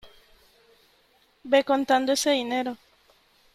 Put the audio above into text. ve contando ese dinero .